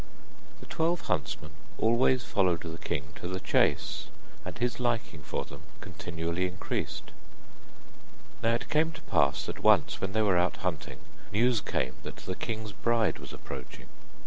The twelve huntsmen always followed the king to the chase, and his liking for them continually increased. Now it came to pass that once when they were out hunting, news came that the king's bride was approaching.